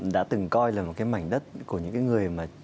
đã từng coi là một cái mảnh đất của những cái người mà